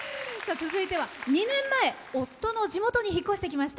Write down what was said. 続いては、２年前夫の実家に引っ越してきました。